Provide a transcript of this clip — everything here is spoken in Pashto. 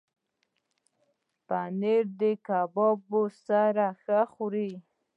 پنېر د کبابو سره ښه خوري.